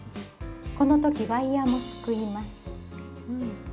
この時ワイヤーもすくいます。